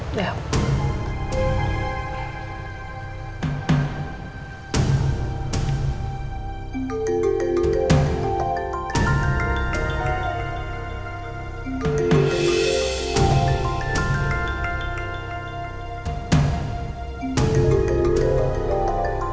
maaf musik badai